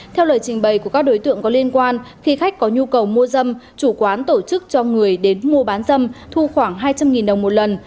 theo lời trình bày của các đối tượng có liên quan khi khách có nhu cầu mua dâm chủ quán tổ chức cho người đến mua bán dâm thu khoảng hai trăm linh đồng một lần